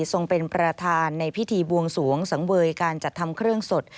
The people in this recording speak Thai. เป็นประธานในพิธีบวงสวงสังเวยการจัดทำเครื่องสด